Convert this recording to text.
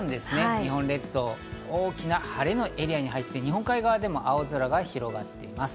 日本列島、大きな晴れのエリアに入って、日本海側でも青空が広がっています。